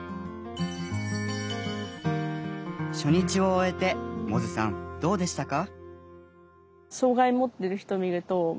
初日を終えて百舌さんどうでしたか？